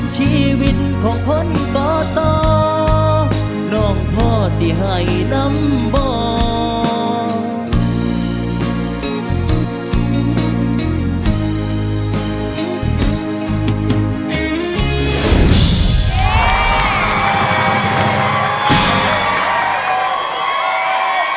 ชีวิตของคนก็สาวน้องพ่อเสียให้น้ำบอก